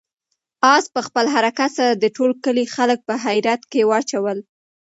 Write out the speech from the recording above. آس په خپل حرکت سره د ټول کلي خلک په حیرت کې واچول.